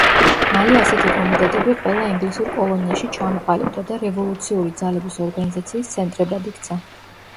მალე ასეთი კომიტეტები ყველა ინგლისურ კოლონიაში ჩამოყალიბდა და რევოლუციური ძალების ორგანიზაციის ცენტრებად იქცა.